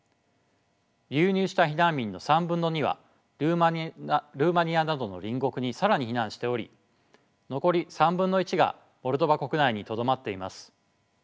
流入した避難民の３分の２はルーマニアなどの隣国に更に避難しており残り３分の１がモルドバ国内にとどまっています。